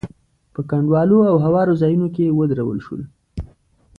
په کنډوالو او هوارو ځايونو کې ودرول شول.